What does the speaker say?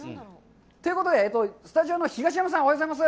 ということで、スタジオの東山さん、おはようございます。